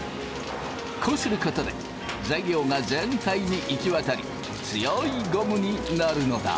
こうすることで材料が全体に行き渡り強いゴムになるのだ。